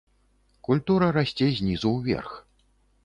Культура расце знізу ўверх.